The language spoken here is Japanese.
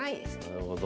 なるほど。